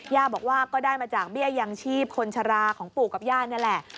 ย่าบอกว่าก็ได้มาจากเบี้ยยังชีพคนชะลาของปู่กับย่านี่แหละ